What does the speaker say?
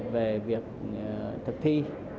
về việc thực thi